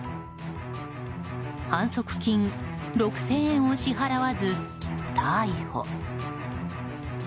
反則金６０００円を支払わず逮捕。